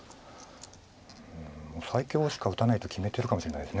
最強しか打たないと決めてるかもしれないです